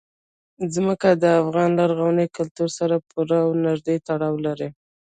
ځمکه د افغان لرغوني کلتور سره پوره او نږدې تړاو لري.